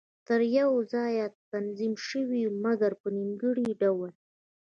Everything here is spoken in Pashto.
تر یوه ځایه تنظیم شوې وې، مګر په نیمګړي ډول.